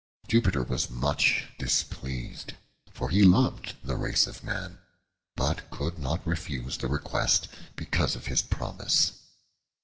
Jupiter was much displeased, for he loved the race of man, but could not refuse the request because of his promise.